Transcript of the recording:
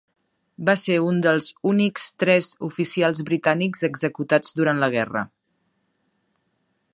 Va ser un dels únics tres oficials britànics executats durant la guerra.